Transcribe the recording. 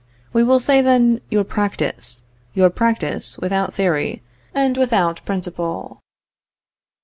We will say then, your practice; your practice without theory, and without principle.